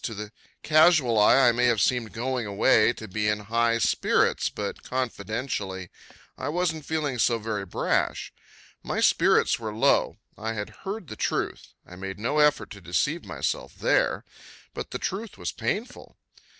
To the casual eye I may have seemed, going away, to be in high spirits; but, confidentially, I wasn't feeling so very brash. My spirits were low. I had heard the truth I made no effort to deceive myself there but the truth was painful.